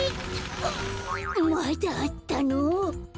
まだあったの？